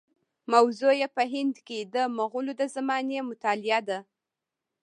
موضوع یې په هند کې د مغولو د زمانې مطالعه ده.